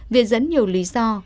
viên dẫn nhiều lý do